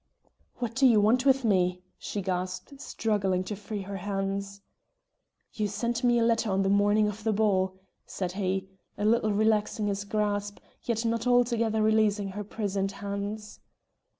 "What do you want with me?" she gasped, struggling to free her hands. "You sent me a letter on the morning of the ball?" said he, a little relaxing his grasp, yet not altogether releasing her prisoned hands.